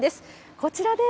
こちらです。